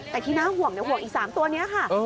แต่ที่น่าห่วงห่วงอีก๓ตัวนี้ค่ะ